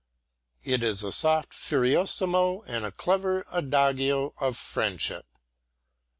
It is a soft Furioso and a clever Adagio of friendship.